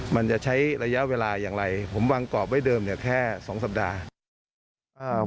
มันจะใช้ระยะเวลาอย่างไรผมวางกรอบไว้เดิมเนี่ยแค่สองสัปดาห์